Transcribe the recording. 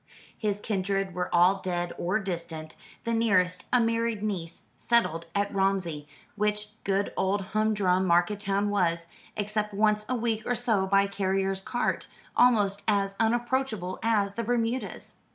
His kindred were all dead or distant the nearest, a married niece, settled at Romsey, which good old humdrum market town was except once a week or so by carrier's cart almost as unapproachable as the Bermudas.